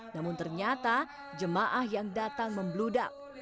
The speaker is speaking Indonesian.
namun ternyata jemaah yang datang membludak